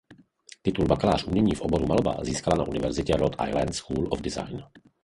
Titul bakalář umění v oboru malba získala na univerzitě Rhode Island School of Design.